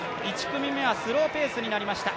１組目はスローペ−スになりました